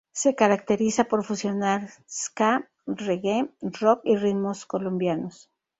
Se caracteriza por fusionar Ska, Reggae, Rock y ritmos colombianos.